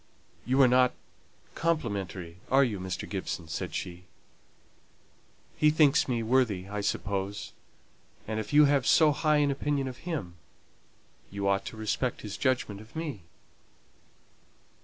"You are not complimentary, are you, Mr. Gibson?" said she. "He thinks me worthy, I suppose; and if you have so high an opinion of him, you ought to respect his judgment of me."